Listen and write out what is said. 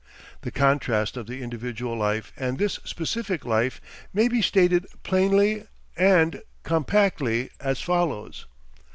The contrast of the individual life and this specific life may be stated plainly and compactly as follows.